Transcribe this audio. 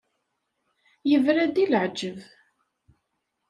Yebra-d i leɛǧeb.